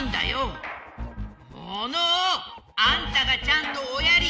モノオ！あんたがちゃんとおやり！